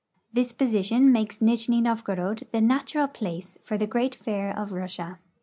This position makes Nijni NoA'gorod the natural place for the great fair of Russia.